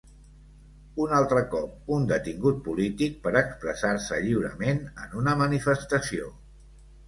Un altre cop un detingut polític per expressar-se lliurament en una manifestació.